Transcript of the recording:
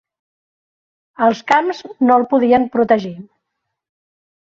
Els camps no el podien protegir.